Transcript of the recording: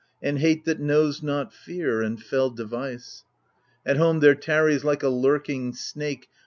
And hate that knows not fear, and fell device. At home there tarries like a lurking snake.